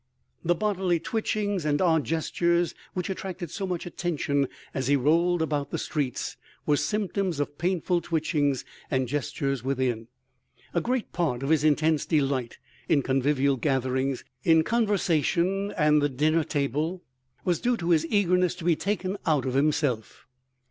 The bodily twitchings and odd gestures which attracted so much attention as he rolled about the streets were symptoms of painful twitchings and gestures within. A great part of his intense delight in convivial gatherings, in conversation and the dinner table, was due to his eagerness to be taken out of himself.